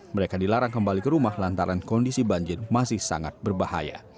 mereka dilarang kembali ke rumah lantaran kondisi banjir masih sangat berbahaya